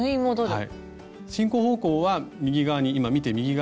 はい。